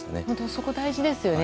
そこが大事ですよね。